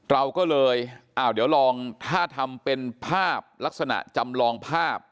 เราก็เลยอ้าวเดี๋ยวลองถ้าทำเป็นภาพลักษณะจำลองภาพ